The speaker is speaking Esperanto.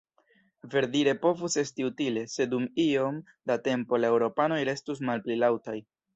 Verdire povus esti utile, se dum iom da tempo la eŭropanoj restus malpli laŭtaj.